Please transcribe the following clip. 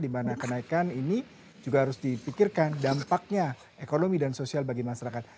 di mana kenaikan ini juga harus dipikirkan dampaknya ekonomi dan sosial bagi masyarakat